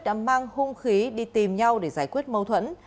đã mang hung khí đi tìm nhau để giải quyết mâu thuẫn